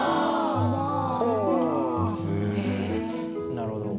なるほど。